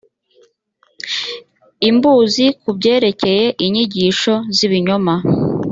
imbuzi ku byerekeye inyigisho z ibinyoma